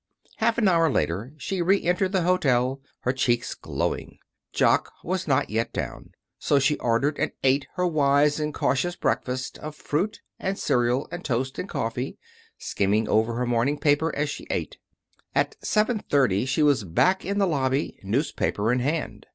Half an hour later she reentered the hotel, her cheeks glowing. Jock was not yet down. So she ordered and ate her wise and cautious breakfast of fruit and cereal and toast and coffee, skimming over her morning paper as she ate. At 7:30 she was back in the lobby, newspaper in hand.